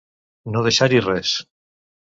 No deixar-hi res.